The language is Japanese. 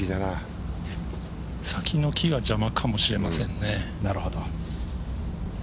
先の木が邪魔かもしれませんね。